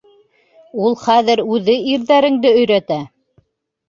Ул хәҙер үҙе ирҙәреңде өйрәтә.